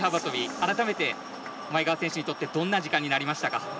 改めて、前川選手にとってどんな時間になりましたか。